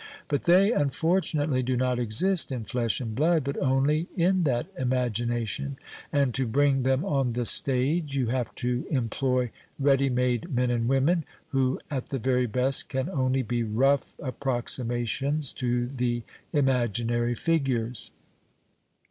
But they, unfortunately, do not exist in (lesh and blood, but only in that imagination, and, to bring them on the stage, you have to employ ready made men and women, who at the very best can only be rough approximations to the imaginary figures.